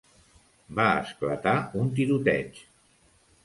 Va esclatar un tiroteig.